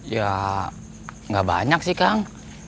ya nggak banyak sih kang